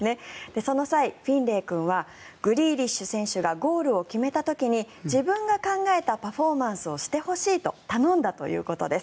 その際、フィンレイ君はグリーリッシュ選手がゴールを決めた時に自分が考えたパフォーマンスをしてほしいと頼んだということです。